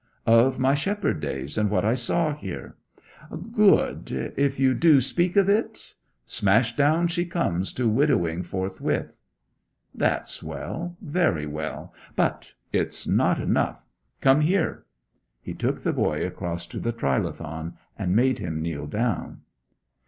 'Of my shepherd days, and what I saw here.' 'Good. If you do speak of it?' 'Smash down she comes to widowing forthwith!' 'That's well very well. But it's not enough. Come here.' He took the boy across to the trilithon, and made him kneel down.